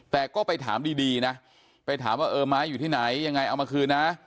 แต่ก็ไปถามดีนะไปถามว่าเออไม้อยู่ที่ไหนยังไงเอามาคืนนะ